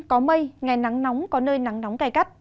có mây ngày nắng nóng có nơi nắng nóng cay cắt